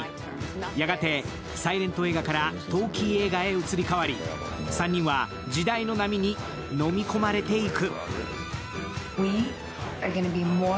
やがてサイレント映画からトーキー映画へと移り変わり３人は時代の波に飲み込まれていく。